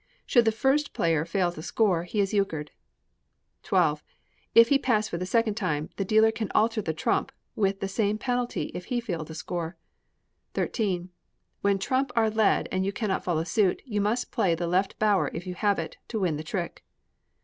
Should the first player fail to score, he is euchred. xii. If he pass for the second time, the dealer can alter the trump, with the same penalty if he fail to score. xiii. When trumps are led and you cannot follow suit, you must play the left bower if you have it, to win the trick.